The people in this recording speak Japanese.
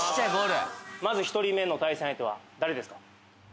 まず１人目の対戦相手は誰ですか？